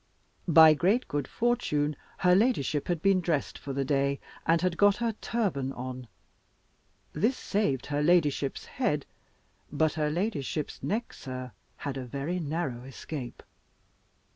"By great good fortune her ladyship had been dressed for the day, and had got her turban on. This saved her ladyship's head. But her ladyship's neck, sir, had a very narrow escape.